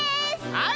はい。